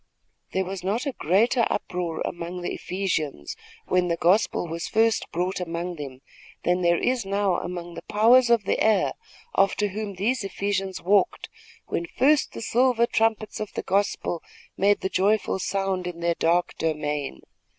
There was not a greater uproar among the Ephesians, when the gospel was first brought among them, than there is now among the powers of the air after whom those Ephesians walked, when first the silver trumpets of the gospel made the joyful sound in their dark domain.